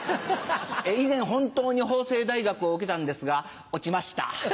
以前本当に法政大学を受けたんですが落ちました。